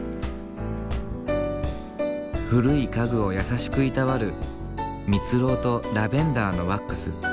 古い家具を優しくいたわる蜜蝋とラベンダーのワックス。